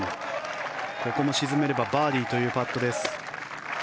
ここも沈めればバーディーというパットです。